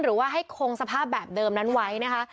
หรือว่าให้คงสภาพแบบเดิมนั้นไว้นะคะ